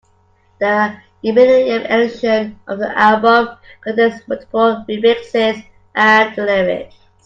The millennium edition of the album contains multiple remixes and the lyrics.